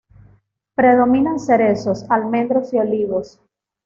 Predominan cerezos, almendros y olivos.